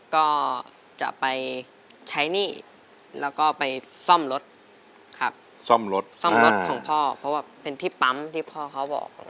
ก็จะไปใช้หนี้แล้วก็ไปซ่อมรถครับซ่อมรถซ่อมรถของพ่อเพราะว่าเป็นที่ปั๊มที่พ่อเขาบอก